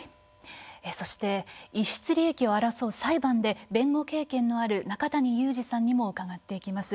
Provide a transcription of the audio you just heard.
そして逸失利益を争う裁判で弁護経験のある中谷雄二さんにも伺っていきます。